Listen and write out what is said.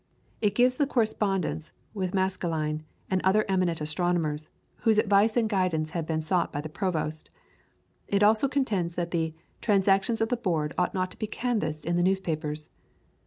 It gives the correspondence with Maskelyne and other eminent astronomers, whose advice and guidance had been sought by the Provost. It also contends that "the transactions of the Board ought not to be canvassed in the newspapers."